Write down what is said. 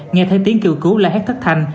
nghe thấy tiếng kêu cứu la hét thất thanh